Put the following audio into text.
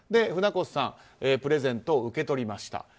船越さんプレゼントを受け取りました。